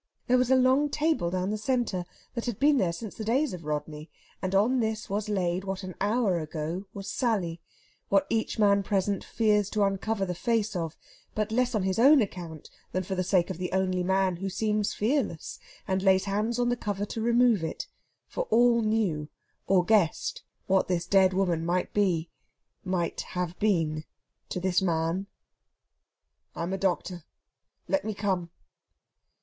There was a long table down the centre that had been there since the days of Rodney, and on this was laid what an hour ago was Sally; what each man present fears to uncover the face of, but less on his own account than for the sake of the only man who seems fearless, and lays hands on the cover to remove it; for all knew, or guessed, what this dead woman might be might have been to this man. "I am a doctor; let me come."